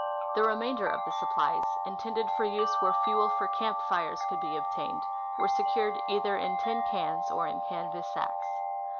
The remainder of the supplies, intended for use where fuel for camp fires could be obtained, were secured either in tin cans or'in canvas sacks.